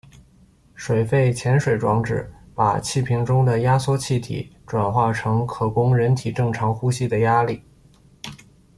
水肺潜水装置把气瓶中的压缩气体转化成可供人体正常呼吸的压力。